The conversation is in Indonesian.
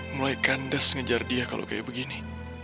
mulai kandes ngejar dia kalau kayak begini